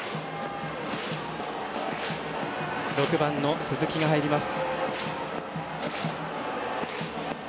６番の鈴木が入ります。